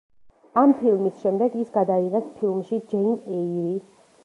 ამ ფილმის შემდეგ ის გადაიღეს ფილმში „ჯეინ ეირი“.